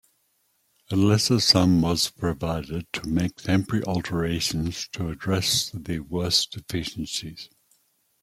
A lesser sum was provided to make temporary alterations to address the worst deficiencies.